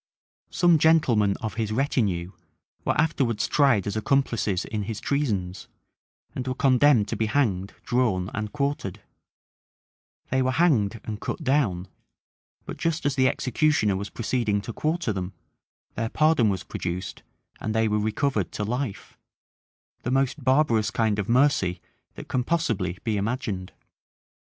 Some gentlemen of his retinue were afterwards tried as accomplices in his treasons, and were condemned to be hanged, drawn, and quartered, They were hanged and cut down; but just as the executioner was proceeding to quarter them, their pardon was produced, and they were recovered to life;[*] the most barbarous kind of mercy that can possibly be imagined!